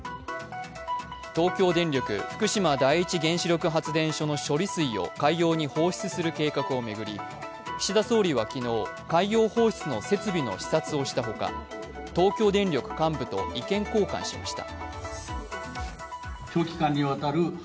東京電力・福島第一原子力発電所の処理水を、海洋に放出する計画をめぐり、岸田総理は昨日、海洋放出の設備の視察をしたほか、東京電力幹部と意見交換しました。